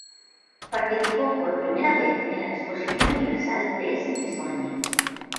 Participó por primera vez en la Exposición Universal de ese mismo año.